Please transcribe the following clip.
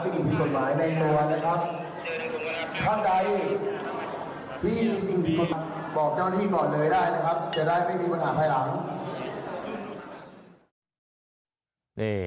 จะได้ไม่มีปัญหาแรง